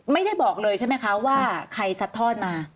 ไม่ได้บอกเลยใช่ไหมคะว่าใครซัดทอดมา